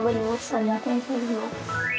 ありがとうございます。